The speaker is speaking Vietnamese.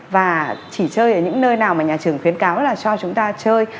và chỉ chơi ở những nơi nào mà nhà trường khuyến cáo là cho chúng ta chơi